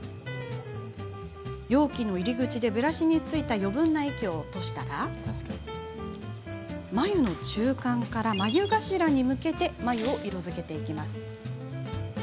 容器の入り口でブラシについた余分な液を落としたら眉の中間から眉頭に向けて眉を色づけます。